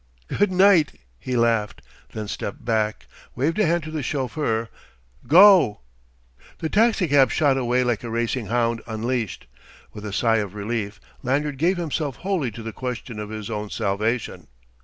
"Good night!" he laughed, then stepped back, waved a hand to the chauffeur "Go!" The taxicab shot away like a racing hound unleashed. With a sigh of relief Lanyard gave himself wholly to the question of his own salvation.